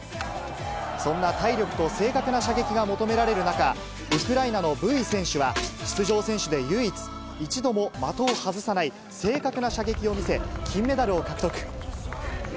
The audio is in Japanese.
そんな体力と正確な射撃が求められる中、ウクライナのブイ選手は、出場選手で唯一、一度も的を外さない正確な射撃を見せ、金メダルを獲得。